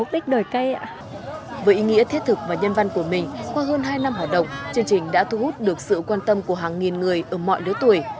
với ý nghĩa thiết thực và nhân văn của mình qua hơn hai năm hoạt động chương trình đã thu hút được sự quan tâm của hàng nghìn người ở mọi lứa tuổi